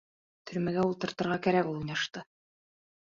Төрмәгә ултыртырға кәрәк ул уйнашты!